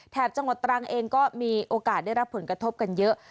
จังหวัดตรังเองก็มีโอกาสได้รับผลกระทบกันเยอะ